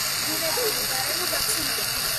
ბუნებრივი გარემო დაცულია.